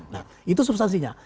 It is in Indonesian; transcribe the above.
nah itu substansinya